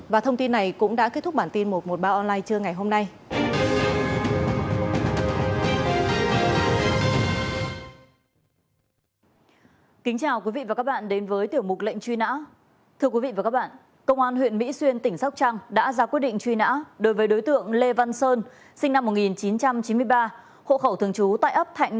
và thông tin này cũng đã kết thúc bản tin một trăm một mươi ba online trưa ngày hôm nay